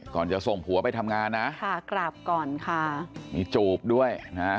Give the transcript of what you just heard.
จะส่งผัวไปทำงานนะค่ะกราบก่อนค่ะมีจูบด้วยนะฮะ